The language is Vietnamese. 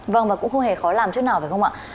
vâng và cũng không hề khó làm chút nào phải không ạ